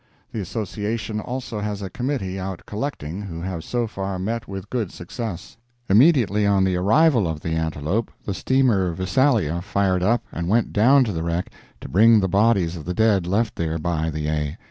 The Association also has a committee out collecting, who have so far met with good success. Immediately on the arrival of the Antelope, the steamer Visalia fired up and went down to the wreck to bring the bodies of the dead left there by the A.